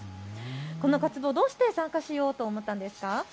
この活動どうして参加しようと思ったんですか。